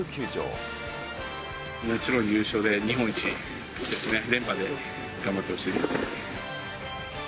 もちろん優勝で、日本一ですね、連覇で頑張ってほしいですね。